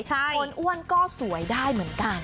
คนอ้วนก็สวยได้เหมือนกัน